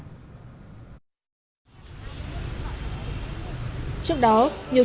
trước đó nhiều trường đại học lớn trên cả nước đã đồng loạt công bố điểm sàn